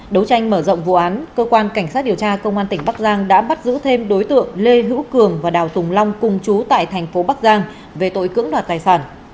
đấu tranh mở rộng vụ án cơ quan cảnh sát điều tra công an tỉnh bắc giang đã bắt giữ thêm đối tượng lê hữu cường và đào tùng long cùng chú tại thành phố bắc giang về tội cưỡng đoạt tài sản